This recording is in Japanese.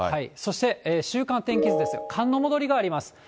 そして週間天気図ですが、寒の戻りがあります。